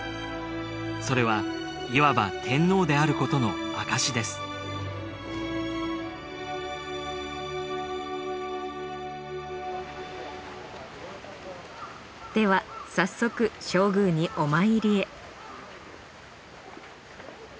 それはいわば天皇であることの証しですでは早速正宮にお参りへ